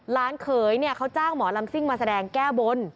เขยเนี่ยเขาจ้างหมอลำซิ่งมาแสดงแก้บน